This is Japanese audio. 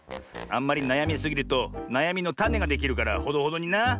あんまりなやみすぎるとなやみのタネができるからほどほどにな。